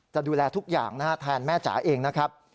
จะดูแลทุกอย่างนะฮะแทนแม่จ๋าเองนะครับ